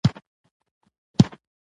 زه ورزش نه کوم.